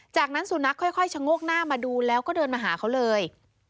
จากนั้นสุนัขค่อยชะโงกหน้ามาดูแล้วก็เดินมาหาเขาเลย